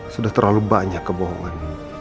sudah terlalu banyak kebohongan